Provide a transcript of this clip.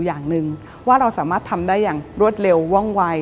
อย่างหนึ่งว่าเราสามารถทำได้อย่างรวดเร็วว่องวัย